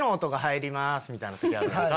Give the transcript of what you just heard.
みたいな時あるやんか。